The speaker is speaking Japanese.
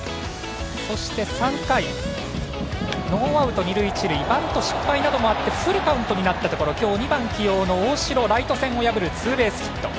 そして３回、ノーアウト二塁一塁バント失敗などもあってフルカウントになったところ今日、２番起用の大城ライト線を破るツーベースヒット。